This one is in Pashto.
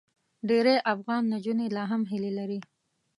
ډېری افغان نجونې لا هم هیله لري.